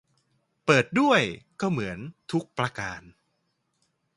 เปิดด้วย ก็เหมือน ทุกประการ